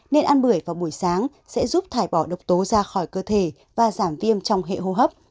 nên ăn bưởi vào buổi sáng sẽ giúp thải bỏ độc tố ra khỏi cơ thể và giảm viêm trong hệ hô hấp